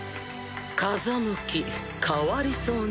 風向き変わりそうね。